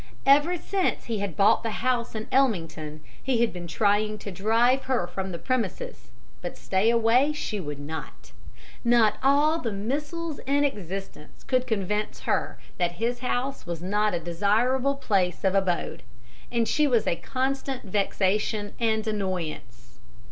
Ever since he had bought the house in Ellmington he had been trying to drive her from the premises, but stay away she would not. Not all the missiles in existence could convince her that his house was not a desirable place of abode. And she was a constant vexation and annoyance.